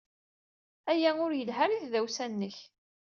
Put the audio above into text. Aya ur yelhi ara i tdawsa-nnek.